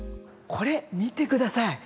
これ見てください。